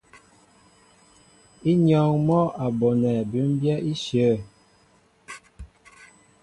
Ínyɔ́ɔ́ŋ mɔ́ a bonɛ bʉmbyɛ́ íshyə̂.